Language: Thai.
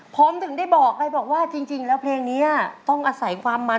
ผมถึงได้บอกไงบอกว่าจริงแล้วเพลงนี้ต้องอาศัยความมัน